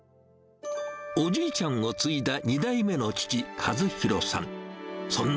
おじいちゃんを継いだ２代目の父、和弘さん。